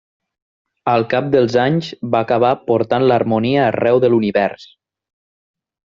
Al cap dels anys va acabar portant l'harmonia arreu de l'univers.